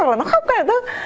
hoặc là nó khóc ngay là tức